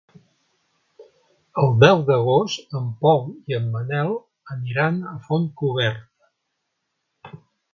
El deu d'agost en Pol i en Manel aniran a Fontcoberta.